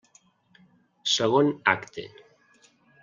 Segon acte.